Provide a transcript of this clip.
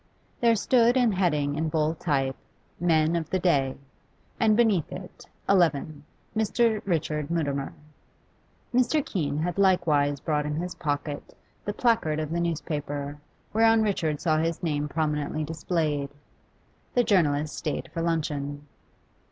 There stood the heading in bold type, 'MEN OF THE DAY,' and beneath it 'XI. Mr. Richard Mutimer.' Mr. Keene had likewise brought in his pocket the placard of the newspaper, whereon Richard saw his name prominently displayed. The journalist stayed for luncheon.